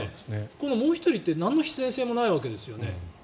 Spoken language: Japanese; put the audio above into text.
このもう１人って何の必然性もないわけですよね。